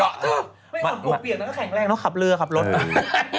ผมกับตัวเปียกก็แข็งแรงต้องขับเรือคับรถ